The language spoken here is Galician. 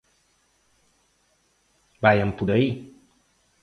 Vaian por aí.